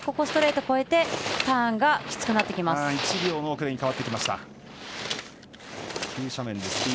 ストレート越えてターンがきつくなってきます。